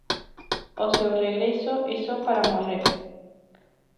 O seu regreso é só para morrer.